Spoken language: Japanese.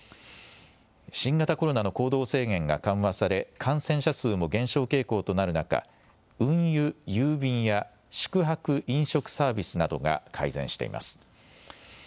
新型コロナの行動制限が緩和され、感染者数も減少傾向となる中、運輸・郵便や宿泊・飲食サービスなどが改善しています。